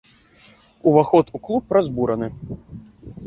Уваход у клуб разбураны.